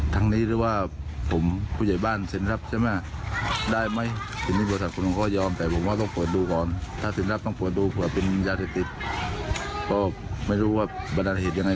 แต่ชื่อของนัชเริมนินวันอายุ๕๓ปีที่เสียชีวิตไปแล้วเนี่ย